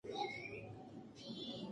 استوايي سیمې د ناروغۍ ډېره برخه لري.